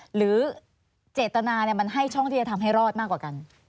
หรือเจตนามันให้ช่องที่จะทำให้รอดมากกว่ากัน